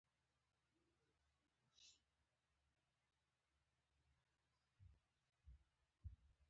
د سوداګریزو تړونونو موخه د اړیکو رامینځته کول وو چې پخوا نه وو